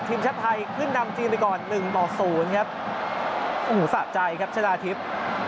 ทีมชะไทยขึ้นดำจีนไปก่อน๑๐ครับโอ้โหสะใจครับชนะทิพย์